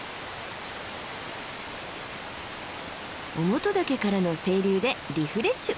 於茂登岳からの清流でリフレッシュ。